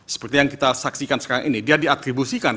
seperti yang kita saksikan sekarang ini dia diaktribusikan